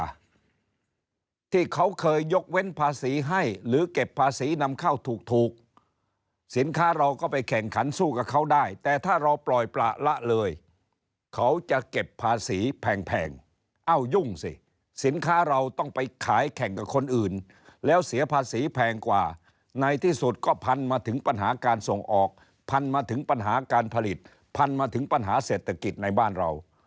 ที่เขาเคยยกเว้นภาษีให้หรือเก็บภาษีนำเข้าถูกสินค้าเราก็ไปแข่งขันสู้กับเขาได้แต่ถ้าเราปล่อยประละเลยเขาจะเก็บภาษีแพงเอ้ายุ่งสิสินค้าเราต้องไปขายแข่งกับคนอื่นแล้วเสียภาษีแพงกว่าในที่สุดก็พันมาถึงปัญหาการส่งออกพันมาถึงปัญหาการผลิตพันมาถึงปัญหาเศรษฐกิจในบ้านเรา